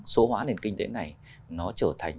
số hóa nền kinh tế này nó trở thành